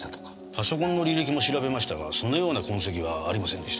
パソコンの履歴も調べましたがそのような痕跡はありませんでした。